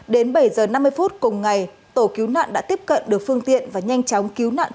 đến bảy giờ năm mươi phút cùng ngày tổ cứu nạn đã tiếp cận được phương tiện và nhanh chóng